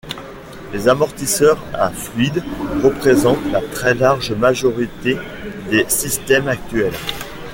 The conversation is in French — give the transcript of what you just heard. Les amortisseurs à fluide représentent la très large majorité des systèmes actuels.